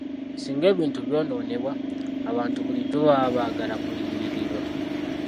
Singa ebintu byonoonebwa, abantu bulijjo baba bagala kuliyirirwa.